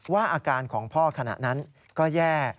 อาการของพ่อขณะนั้นก็แย่